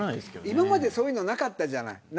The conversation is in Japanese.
今までそういうのなかったじゃない。